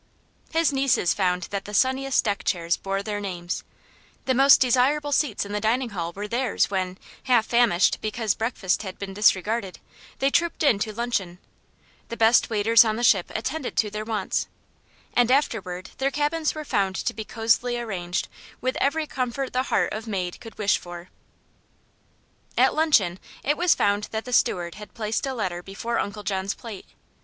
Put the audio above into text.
His nieces found that the sunniest deck chairs bore their names; the most desirable seats in the dining hall were theirs when, half famished because breakfast had been disregarded, they trooped in to luncheon; the best waiters on the ship attended to their wants, and afterward their cabins were found to be cosily arranged with every comfort the heart of maid could wish for. At luncheon it was found that the steward had placed a letter before Uncle John's plate.